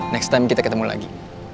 next time kita ketemu lagi